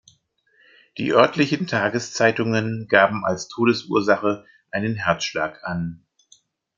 Die örtlichen Tageszeitungen gaben als Todesursache einen Herzschlag an.